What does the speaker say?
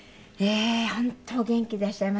本当お元気でいらっしゃいますね！